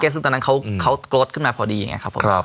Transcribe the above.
ซึ่งตอนนั้นเขากรดขึ้นมาพอดีแบบงะครับผม